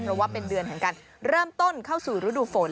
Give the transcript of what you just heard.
เพราะว่าเป็นเดือนแห่งการเริ่มต้นเข้าสู่ฤดูฝน